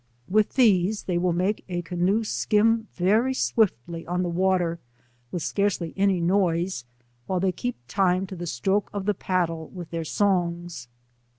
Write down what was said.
With these they will make a canoe skim very swiftly on the water, with scarcely any noise, while they keep time to the stroke of the paddle with their gongs.